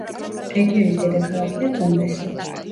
რეგიონის დედაქალაქია ტუმბესი.